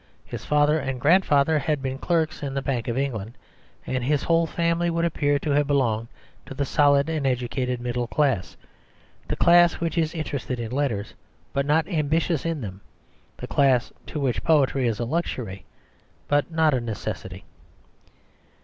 His father and grandfather had been clerks in the Bank of England, and his whole family would appear to have belonged to the solid and educated middle class the class which is interested in letters, but not ambitious in them, the class to which poetry is a luxury, but not a necessity.